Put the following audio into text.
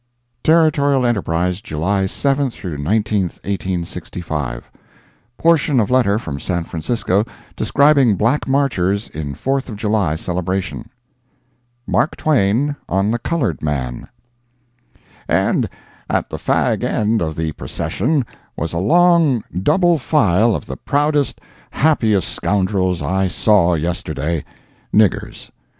Territorial Enterprise, July 7 19, 1865 [portion of letter from San Francisco describing black marchers in Fourth of July celebration] MARK TWAIN ON THE COLORED MAN And at the fag end of the procession was a long double file of the proudest, happiest scoundrels I saw yesterday—niggers.